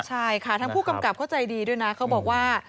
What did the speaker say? ใช่ค่ะทั้งผู้กำกับเขาใจดีด้วยนะเขาบอกว่า